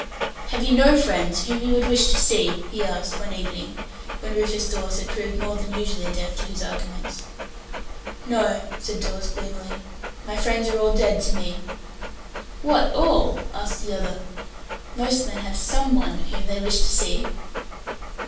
"Have you no friends whom you would wish to see?" he asked, one evening, when Rufus Dawes had proved more than usually deaf to his arguments. "No," said Dawes gloomily. "My friends are all dead to me." "What, all?" asked the other. "Most men have some one whom they wish to see."